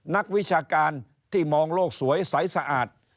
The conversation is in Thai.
นักวิชาการที่มองโลกสวยใสสะอาด